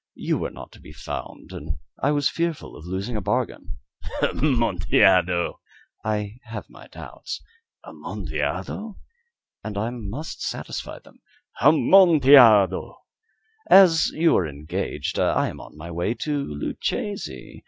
You were not to be found, and I was fearful of losing a bargain." "Amontillado!" "I have my doubts." "Amontillado!" "And I must satisfy them." "Amontillado!" "As you are engaged, I am on my way to Luchesi.